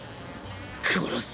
殺す。